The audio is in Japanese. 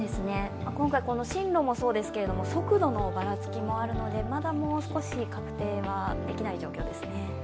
今回、進路もそうですけれども、速度のばらつきもあるのでまだもう少し確定はできない状況ですね。